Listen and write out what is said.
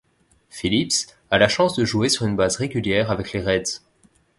Phillips a la chance de jouer sur une base régulière avec les Reds.